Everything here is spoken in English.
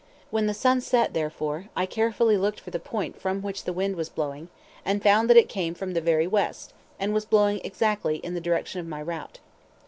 When the sun set, therefore, I carefully looked for the point from which the wind was blowing, and found that it came from the very west, and was blowing exactly in the direction of my route.